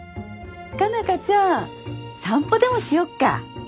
佳奈花ちゃん散歩でもしよっか。